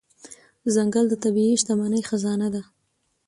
ځنګل د طبیعي شتمنۍ خزانه ده.